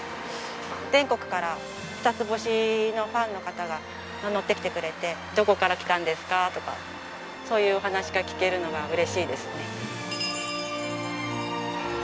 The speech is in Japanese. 全国からふたつ星のファンの方が乗ってきてくれてどこから来たんですか？とかそういうお話が聞けるのが嬉しいですね。